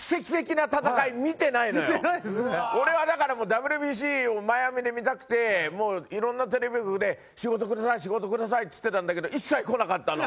俺はだからＷＢＣをマイアミで見たくてもういろんなテレビ局で「仕事ください仕事ください」っつってたんだけど一切こなかったの。